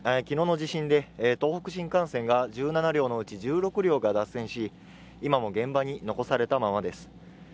昨日の地震で東北新幹線が１７両のうち１６両が脱線し今も現場に残されたままです